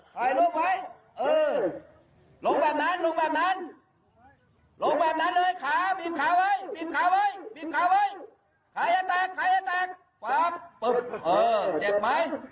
ปั๊บปุ๊บเออเจ็บไหม